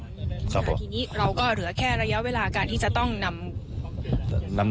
ทีนี้เราก็เหลือแค่ระยะเวลาการที่จะต้องนำนำ